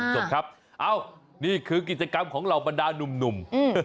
จบครับนี่คือกิจกรรมของเหล่าบรรดานุ่ม